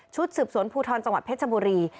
สืบสวนภูทรจังหวัดเพชรบุรี